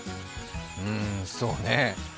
うーん、そうねー。